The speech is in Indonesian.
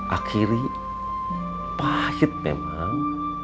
akhiri pahit memang